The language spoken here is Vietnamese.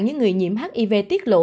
những người nhiễm hiv tiết lộ